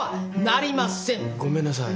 ごめんなさい。